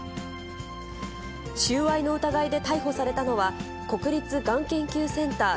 収賄の疑いで逮捕されたのは、国立がん研究センター